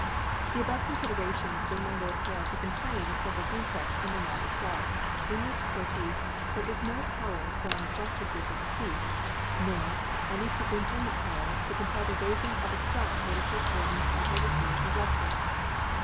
The above Confiderations bring my Lor d» ■Hale to complain of fome Defefts in the Law itfelf j; ' in which,*" fays he,, * there is* * no Power from the Jufticcs of the Peace, ' nor any fuperintendent Power,, to compel ^ the raifing of a Stock where the Church^ * wardens aiid Qvcrfcers negleft it.